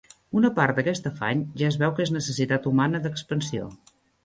Una part d'aquest afany, ja es veu que és necessitat humana d'expansió;